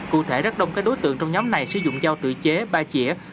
cụ thể rất đông các đối tượng trong nhóm này sử dụng dao tự chế ba chĩa